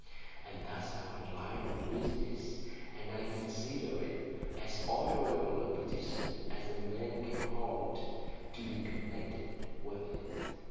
And that's our line of business; and I consider it as honourable a position as a man can hold, to be connected with it."